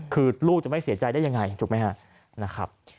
คือลูกจะไม่เสียใจได้ยังไงถูกไหมครับนะครับ